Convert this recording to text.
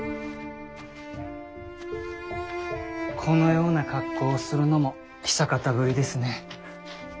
このような格好をするのも久方ぶりですね。